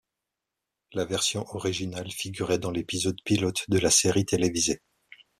La version originale figurait dans l'épisode pilote de la série télévisée.